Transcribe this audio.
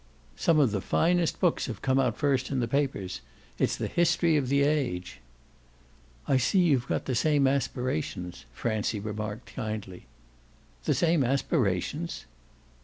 Some of the finest books have come out first in the papers. It's the history of the age." "I see you've got the same aspirations," Francie remarked kindly. "The same aspirations?"